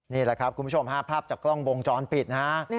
นี่แหละครับคุณผู้ชมฮะภาพจากกล้องวงจรปิดนะฮะ